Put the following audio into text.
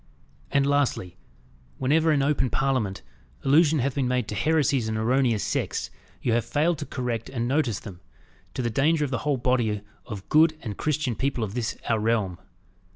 And lastly, whenever in open Parliament allusion hath been made to heresies and erroneous sects, you have failed to correct and notice them, to the danger of the whole body of good and Christian people of this our realm."